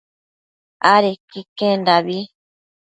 adequi iquendabi